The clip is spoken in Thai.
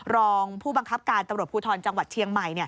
รองผู้บังคับการตำรวจภูทรจังหวัดเชียงใหม่